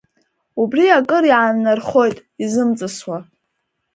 Убри акыр иааннархоит изымҵысуа.